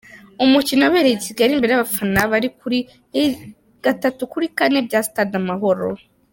Umukino wabereye i Kigali, imbere y’abafana bari kuri ¾ bya Stade Amahoro.